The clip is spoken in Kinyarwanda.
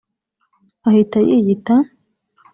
ahita yiyita